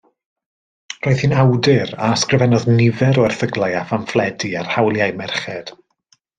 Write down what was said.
Roedd hi'n awdur a ysgrifennodd nifer o erthyglau a phamffledi ar hawliau merched.